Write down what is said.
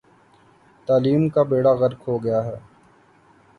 تعلیم کا بیڑہ غرق ہو گیا ہے۔